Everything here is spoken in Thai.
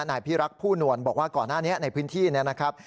นายพิรักษ์ผู้นวลบอกว่าก่อนหน้านี้ในพื้นที่เนี่ยนะครับ